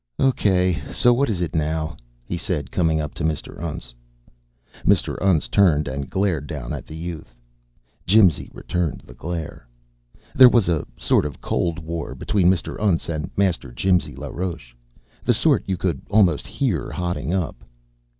"Okay, so what is it now?" he said, coming up to Mr. Untz. Mr. Untz turned and glared down at the youth. Jimsy returned the glare. There was a sort of cold war between Mr. Untz and Master Jimsy LaRoche, the sort you could almost hear hotting up.